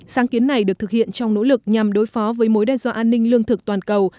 sáng kiến này được thực hiện trong nỗ lực nhằm đối phó với mối đe dọa an ninh lương thực toàn cầu